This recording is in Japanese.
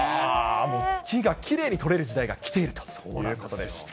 月がきれいに撮れる時代が来ているということでした。